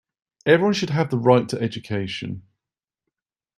Everyone should have the right to education.